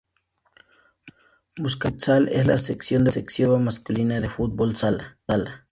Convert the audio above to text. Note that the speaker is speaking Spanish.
Bucaneros Futsal, es la sección deportiva masculina de fútbol sala.